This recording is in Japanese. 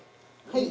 はい。